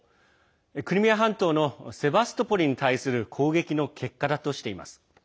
クリミア半島のセバストポリに対する攻撃の結果だとしています。